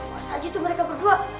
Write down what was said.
fas aja tuh mereka berdua